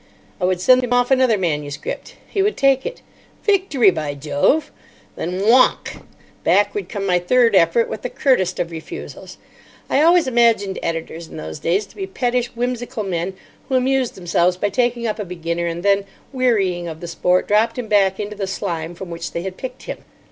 I would send him off another manuscript. He would take it. Victory, by Jove! Then—wonk! Back would come my third effort with the curtest of refusals. I always imagined editors in those days to be pettish, whimsical men who amused themselves by taking up a beginner, and then, wearying of the sport, dropped him back into the slime from which they had picked him.